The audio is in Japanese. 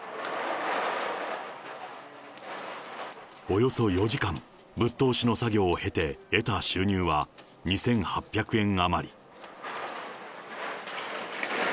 およそ４時間、ぶっ通しの作業を経て得た収入は、２８００円余り。